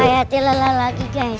ayatnya lelah lagi guys